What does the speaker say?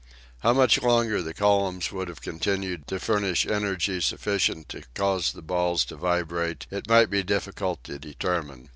How much longer the columns would have con tinued to furnish energy sufficient to cause the balls to vibrate, it might be difficult to determine.